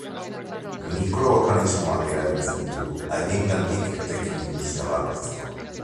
Mikroorganismoak erabiltzen ditu haiengandik etekin industriala lortzeko.